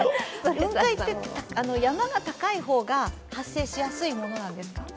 雲海って、山が高い方が発生しやすいものなんですか？